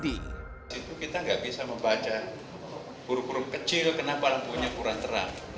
di situ kita nggak bisa membaca buru buru kecil kenapa lampunya kurang terang